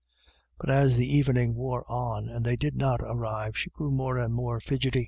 But as the evening wore on, arfd they did not arrive, she grew more and more fidgety.